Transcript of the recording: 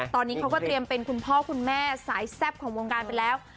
ตอนนี้เขาก็เตรียมเป็นคุณพ่อคุณแม่สายแซ่บของวงการไปแล้ว